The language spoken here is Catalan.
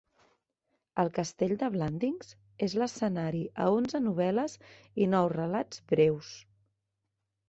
El castell de Blandings és l'escenari a onze novel·les i nou relats breus.